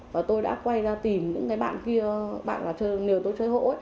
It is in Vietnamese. và tôi đã quay ra tìm những bạn kia bạn là người tôi chơi hộ